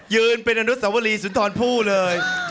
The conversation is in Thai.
ยืนเป็นอนุสวรีสุนทรผู้เลย